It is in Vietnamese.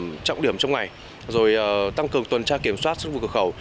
tăng cường tầm trong ngày tăng cường tuần tra kiểm soát sức vụ cửa khẩu